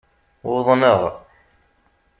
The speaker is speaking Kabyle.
Uḍnaɣ.